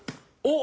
お！